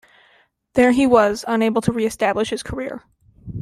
There he was unable to re-establish his career.